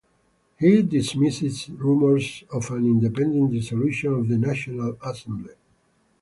He dismissed rumors of an impending dissolution of the National Assembly.